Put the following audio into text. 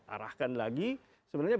arahkan lagi sebenarnya